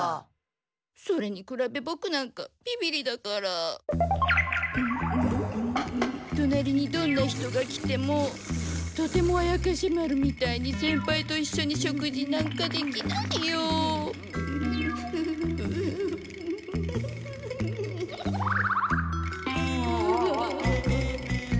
それに比べボクなんかビビリだからとなりにどんな人が来てもとても怪士丸みたいに先輩といっしょに食事なんかできないよ。はわわわわわわわ。